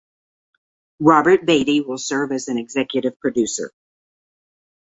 Robert Beatty will serve as an executive producer.